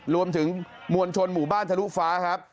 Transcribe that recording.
มวลชนหมู่บ้านทะลุฟ้าครับ